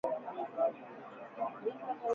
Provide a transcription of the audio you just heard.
Ugonjwa wa homa ya mapafu hushambulia ngombe tu